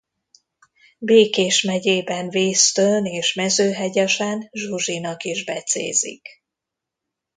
Békés megyében Vésztőn és Mezőhegyesen Zsuzsinak is becézik.